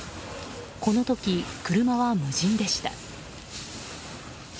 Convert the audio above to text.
この時、車は無人でした。